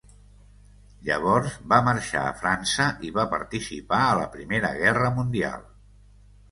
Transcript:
Llavors va marxar a França i va participar a la Primera Guerra Mundial.